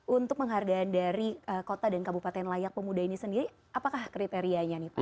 untuk penghargaan dari kota dan kabupaten layak pemuda ini sendiri apakah kriterianya nih pak